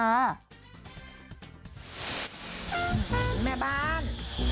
แม่บ้าน